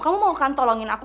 kamu mau kan tolongin aku